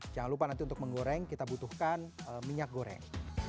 jangan lupa nanti untuk menggoreng kita butuhkan minyak goreng